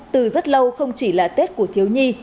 từ rất lâu không chỉ là tết của thiếu nhi